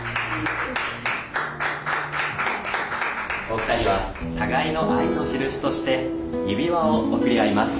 お二人は互いの愛の印として指輪を贈り合います。